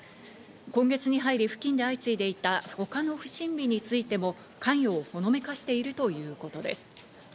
今月に入り、付近で相次いでいたほかの不審火についても関与をほのめかしているということです。